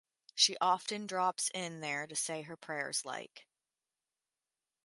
She often drops in there to say her prayers like.